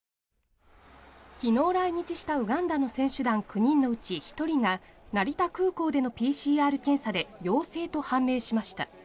きのう来日したウガンダの選手団９人のうち１人が成田空港でのＰＣＲ検査で陽性と判明しました。